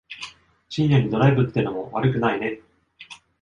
深夜にドライブってのも悪くないね。